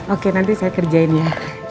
oke nanti saya kerjain ya